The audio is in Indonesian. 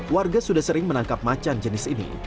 warga sudah sering menangkap macan jenis ini